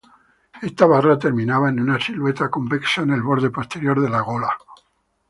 Esta barra terminaba en una silueta convexa en el borde posterior de la gola.